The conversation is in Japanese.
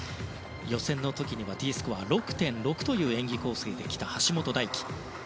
予選の時はＤスコア、６．６という演技構成の橋本大輝。